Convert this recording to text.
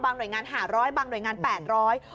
หน่วยงานหาร้อยบางหน่วยงานแปดร้อย